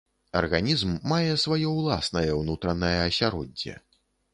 Арганізм мае сваё ўласнае ўнутранае асяроддзе.